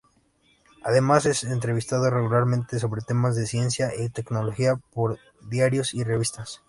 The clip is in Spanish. Además, es entrevistado regularmente sobre temas de ciencia y tecnología por diarios y revistas.